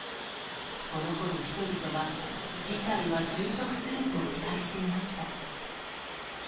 このころ、人々は事態は収束すると期待していました。